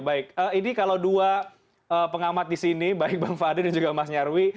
baik ini kalau dua pengamat di sini baik bang fadli dan juga mas nyarwi